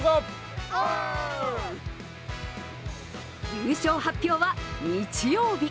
優勝発表は日曜日。